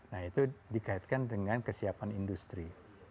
nah itu dikaitkan dengan kesiapan industri